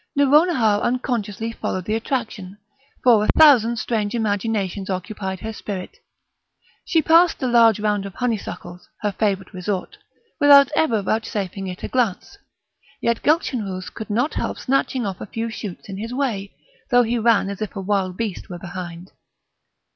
Nouronihar unconsciously followed the attraction, for a thousand strange imaginations occupied her spirit; she passed the large round of honeysuckles, her favourite resort, without ever vouchsafing it a glance, yet Gulchenrouz could not help snatching off a few shoots in his way, though he ran as if a wild beast were behind.